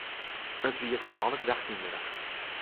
It wie it nei alle gedachten wurdich.